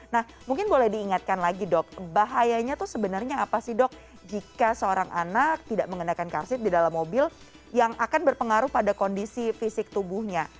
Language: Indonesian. nah mungkin boleh diingatkan lagi dok bahayanya itu sebenarnya apa sih dok jika seorang anak tidak mengenakan karsit di dalam mobil yang akan berpengaruh pada kondisi fisik tubuhnya